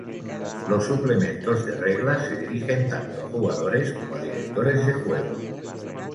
Los suplementos de reglas se dirigen tanto a jugadores como a directores de juego.